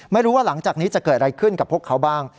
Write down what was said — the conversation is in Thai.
หลังจากนี้จะเกิดอะไรขึ้นกับพวกเขาบ้าง